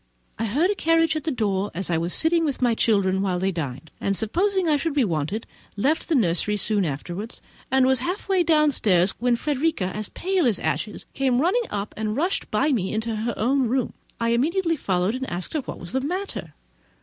I heard a carriage at the door, as I was sitting with my children while they dined; and supposing I should be wanted, left the nursery soon afterwards, and was half way downstairs, when Frederica, as pale as ashes, came running up, and rushed by me into her own room. I instantly followed, and asked her what was the matter.